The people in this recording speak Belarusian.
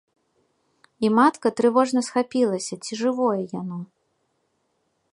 І матка трывожна схапілася, ці жывое яно.